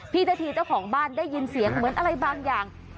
นาธีเจ้าของบ้านได้ยินเสียงเหมือนอะไรบางอย่าง